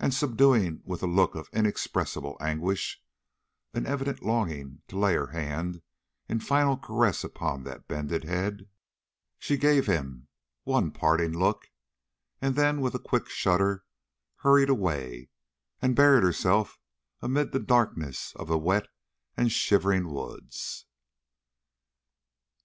And subduing with a look of inexpressible anguish an evident longing to lay her hand in final caress upon that bended head, she gave him one parting look, and then, with a quick shudder, hurried away, and buried herself amid the darkness of the wet and shivering woods.